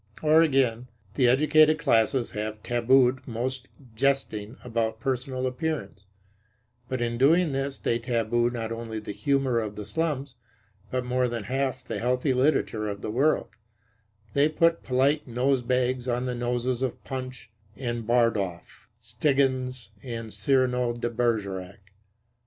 Or again, the educated classes have tabooed most jesting about personal appearance; but in doing this they taboo not only the humor of the slums, but more than half the healthy literature of the world; they put polite nose bags on the noses of Punch and Bardolph, Stiggins and Cyrano de Bergerac.